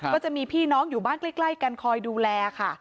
ก็จะมีพี่น้องอยู่บ้านใกล้กันคอยดูแลค่ะ